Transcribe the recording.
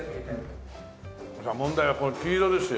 問題はこの黄色ですよ。